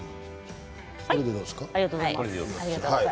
これでどうですか？